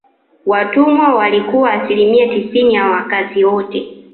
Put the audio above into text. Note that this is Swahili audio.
Watumwa walikuwa asilimia tisini ya wakazi wote